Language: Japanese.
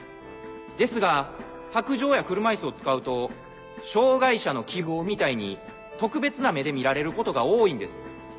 ですが白杖や車椅子を使うと障がい者の記号みたいに特別な目で見られることが多いんです。